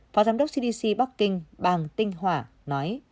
phó giám đốc cdc bắc kinh bàng tinh hỏa nói